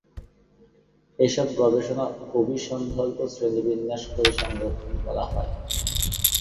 এসব গবেষণা অভিসন্দর্ভ শ্রেণিবিন্যাস করে সংরক্ষণ করা হয়।